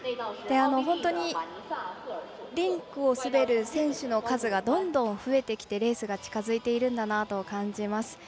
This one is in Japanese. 本当にリンクを滑る選手の数がどんどん増えてきてレースが近づいているんだなと感じます。